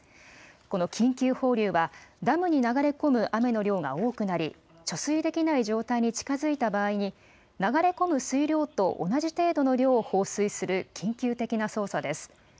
この緊急放流は、ダムに流れ込む雨の量が多くなり、貯水できない状態に近づいた場合に、流れ込む水量と同じ程度の量を放水する緊急的な操作です。